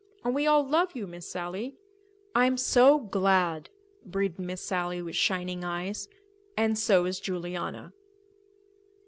And we all love you, Miss Sally." "I'm so glad," breathed Miss Sally with shining eyes, "and so is Juliana."